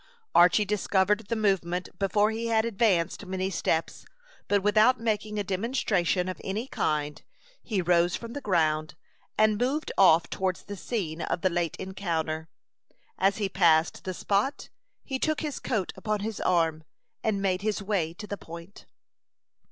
Archy discovered the movement before he had advanced many steps; but without making a demonstration of any kind, he rose from the ground, and moved off towards the scene of the late encounter. As he passed the spot, he took his coat upon his arm, and made his way to the Point.